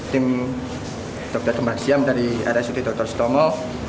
tim dokter kembar siam dari area suti dr stomo